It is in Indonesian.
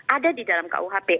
ada di dalam kuhp